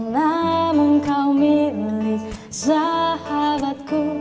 namun kau milik sahabatku